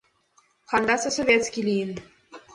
Хандаса советский лийын.